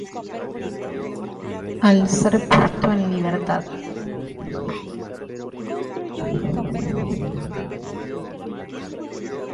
Al ser puesto en libertad.